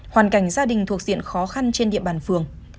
hoàn cảnh gia đình thuộc diện khó khăn trên địa bàn phường